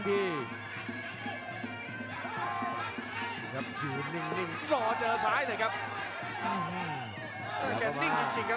ประเภทมัยยังอย่างปักส่วนขวา